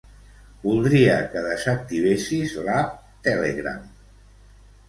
Voldria que desactivessis l'app Telegram.